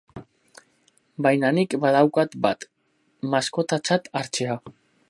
Baina nik badaukat bat, maskotatzat hartzea.